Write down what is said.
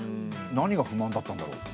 何が不満だったんだろう？